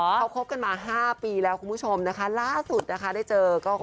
เขาคบกันมา๕ปีแล้วคุณผู้ชมนะคะล่าสุดนะคะได้เจอก็